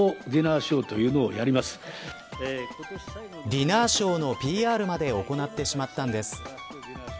ディナーショーのＰＲまで行ってしまったんです。